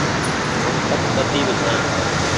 هم سب ٻڌيم ڇآن